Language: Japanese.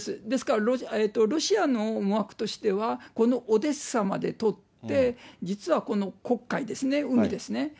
ですからロシアの思惑としては、このオデッサまで取って、実はこの黒海ですね、海ですね。